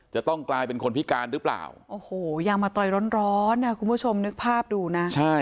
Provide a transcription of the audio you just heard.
จะต้องกลายเป็นคนพิการหรือเปล่าพอโอ้โหยังมาต่อยร้อนคุณผู้ชมนึกภาพดูนะ